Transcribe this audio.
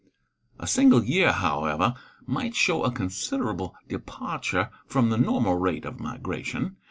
A single year, however, might show a considerable departure from the normal rate of migration.